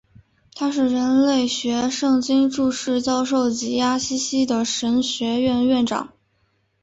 他是人类学圣经注释教授及阿西西的神学院院长。